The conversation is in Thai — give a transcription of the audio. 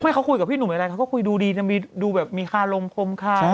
เขาคุยกับพี่หนุ่มอะไรเขาก็คุยดูดีจะมีดูแบบมีคารมคมคา